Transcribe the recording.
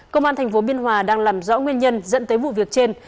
công an tp biên hòa đang làm rõ nguyên nhân dẫn tới vụ việc trên